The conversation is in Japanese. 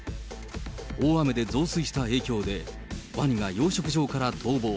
大雨で増水した影響で、ワニが養殖場から逃亡。